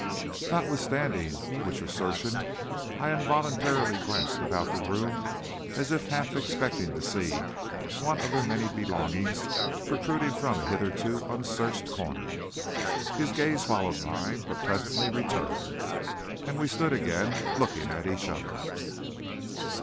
Notwithstanding which assertion, I involuntarily glanced about the room as if half expecting to see some one of their many belongings protruding from a hitherto unsearched corner. His gaze followed mine, but presently returned, and we stood again looking at each other.